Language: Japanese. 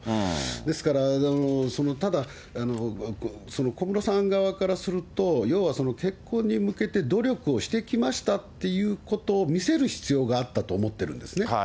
ですから、ただ、小室さん側からすると、要は結婚に向けて努力をしてきましたっていうことを見せる必要があったと思ってるんですね。